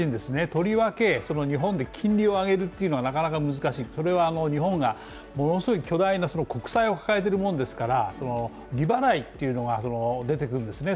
とりわけ日本で金利を上げるというのがなかなか難しい、それは日本がものすごい巨大な国債を抱えているものですから、利払いというのが出てくるんですね。